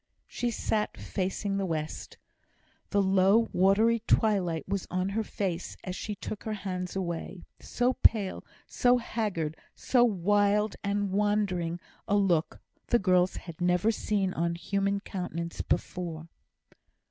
She sat facing the west. The low watery twilight was on her face as she took her hands away. So pale, so haggard, so wild and wandering a look the girls had never seen on human countenance before.